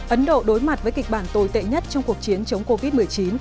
ấn độ đối mặt với kịch bản tồi tệ nhất trong cuộc chiến chống covid một mươi chín